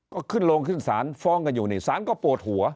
ก็ขึ้นโรงขึ้นศาลฟ้องกันอยู่นี่สารก็ปวดหัว